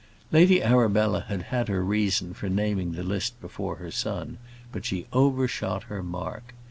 Lady Arabella had had her reason for naming the list before her son; but she overshot her mark.